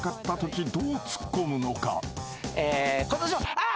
あっ！